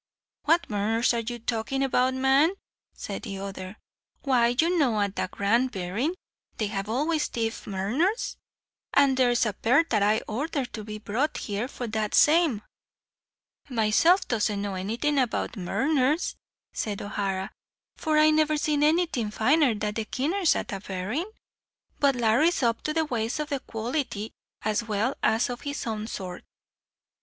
"What murners are you talkin' about, man?" said the other. "Why, you know, at a grand berrin' they have always thief murners, and there's a pair that I ordhered to be brought here for that same." "Myself doesn't know anything about murners," said O'Hara, "for I never seen anything finer than the keeners at a berrin'; but Larry's up to the ways of the quolity, as well as of his own sort."